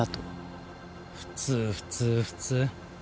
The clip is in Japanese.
普通普通普通。